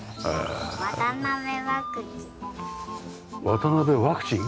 渡辺ワクチン？